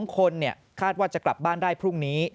๒คนคาดว่าจะกลับบ้านได้พรุ่งนี้